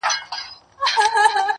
بلا ترې زیږي بلا پر اوري -